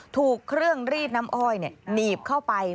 ถูกเครื่องรีดน้ำอ้อยหนีบเข้าไป